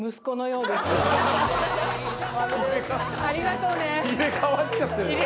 ありがとうね。